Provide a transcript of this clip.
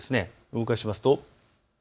動かしますと。